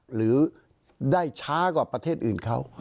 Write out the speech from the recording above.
หรือได้ช้ากว่าประเทศอื่นเข้า